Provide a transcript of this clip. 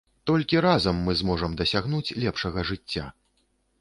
Толькі разам мы зможам дасягнуць лепшага жыцця.